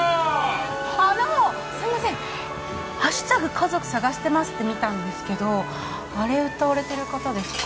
家族探してますって見たんですけどあれ歌われてる方ですか？